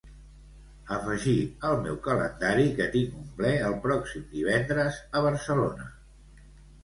Afegir al meu calendari que tinc un ple el pròxim divendres a Barcelona.